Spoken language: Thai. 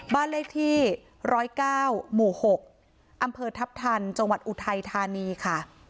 บ้านเลขที่๑๐๙หมู่๖อำเภอทัพทันจังหวัดอุทัยธานีค่ะ